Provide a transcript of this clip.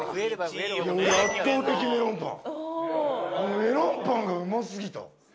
メロンパンがうま過ぎた。